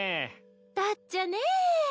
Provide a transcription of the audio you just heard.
だっちゃね。